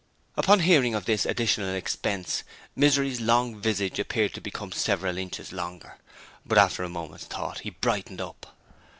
Upon hearing of this addition expense, Misery's long visage appeared to become several inches longer; but after a moment's thought he brightened up.